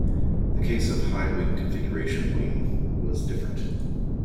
The case of high-wing configuration wing was different.